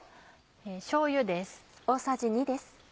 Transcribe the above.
しょうゆです。